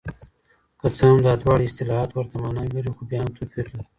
که څه هم دا دواړه اصطلاحات ورته ماناوې لري خو بیا هم توپیر لري.